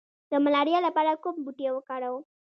د ملاریا لپاره کوم بوټی وکاروم؟